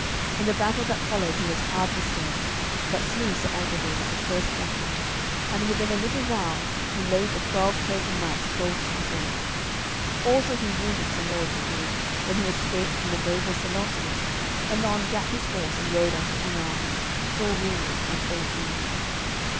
In the battle that followed he was hard bestead, but slew Sir Agravaine at the first buffet, and within a little while he laid the twelve chosen knights cold to the earth. Also he wounded Sir Mordred, who, when he escaped from the noble Sir Launcelot, anon gat his horse and rode unto King Arthur, sore wounded and all bleeding.